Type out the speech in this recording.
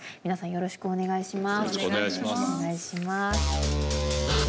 よろしくお願いします。